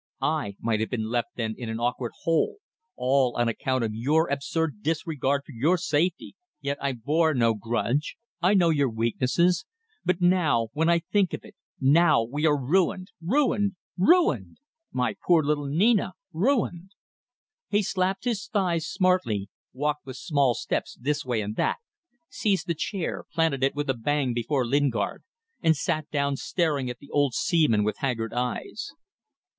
"I might have been left then in an awkward hole all on account of your absurd disregard for your safety yet I bore no grudge. I knew your weaknesses. But now when I think of it! Now we are ruined. Ruined! Ruined! My poor little Nina. Ruined!" He slapped his thighs smartly, walked with small steps this way and that, seized a chair, planted it with a bang before Lingard, and sat down staring at the old seaman with haggard eyes.